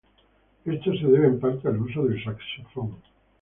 Esto se debe, en parte, al uso del saxofón.